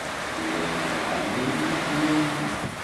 Llan bɣan ayen yifen ayenni.